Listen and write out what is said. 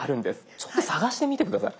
ちょっと探してみて下さい。